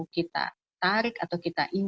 kita tarik atau kita